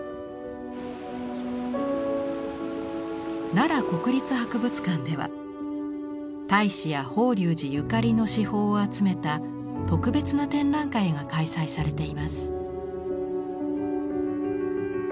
奈良国立博物館では太子や法隆寺ゆかりの至宝を集めた特別な展覧会が開催されています。